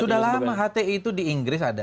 sudah lama hti itu di inggris ada